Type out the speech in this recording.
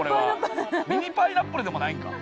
ミニパイナップルでもないんか。